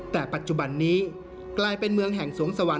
แต่ปัจจุบันนี้กลายเป็นเมืองแห่งสวงสวรร